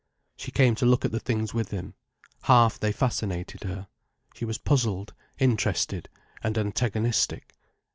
She came to look at the things with him. Half they fascinated her. She was puzzled, interested, and antagonistic.